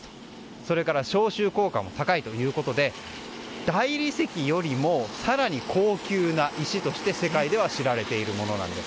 それから消臭効果も高いということで大理石よりも更に高級な石として世界では知られているものなんです。